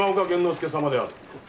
介様である。